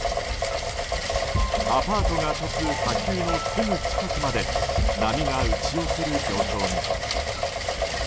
アパートが立つ砂丘のすぐ近くまで波が打ち寄せる状況に。